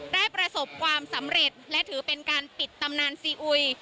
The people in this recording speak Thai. ประสบความสำเร็จและถือเป็นการปิดตำนานซีอุย